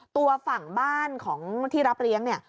ตัวฝั่งบ้านของที่รับเลี้ยงเนี่ย